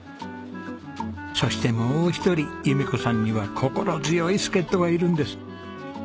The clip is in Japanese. そしてもう一人弓子さんには心強い助っ人がいるんです。